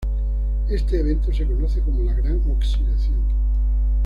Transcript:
Este evento se conoce como la Gran oxidación.